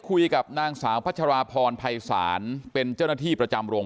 คุยกับนางสาวพัชราพรภัยศาลเป็นเจ้าหน้าที่ประจำโรง